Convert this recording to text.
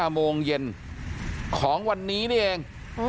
โมงเย็นของวันนี้นี่เอง